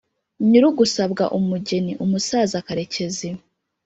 nyir’ ugusabwa umugeni (umusaza karekezi)